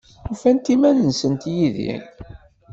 Ufant iman-nsent yid-i?